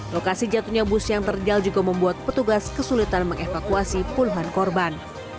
lokasi jatuhnya bus yang terjal juga membuat petugas kesulitan mengevakuasi puluhan korban